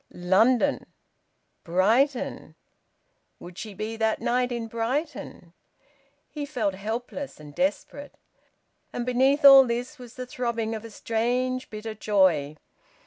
London! Brighton! Would she be that night in Brighton? He felt helpless, and desperate. And beneath all this was the throbbing of a strange, bitter joy.